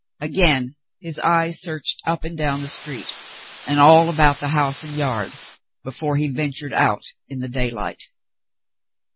Again his eyes searched up and down the street and all about the house and yard before he ventured out in the daylight.